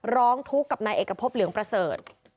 ร้องทุกข์กับนายเอกพบเหลืองประเสริฐ